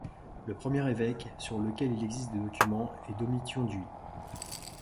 Le premier évêque sur lequel il existe des documents est Domition d'Huy.